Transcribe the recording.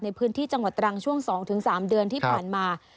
ในพื้นที่จังหวัดตรังช่วง๒๓เดือนที่ผ่านมา